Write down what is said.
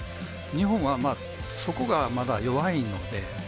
日本は、そこがまだ弱いので。